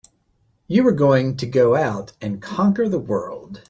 You were going to go out and conquer the world!